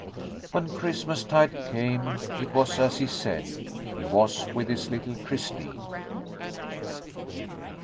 When Christmastide came, it was as he said. He was with his little Christine.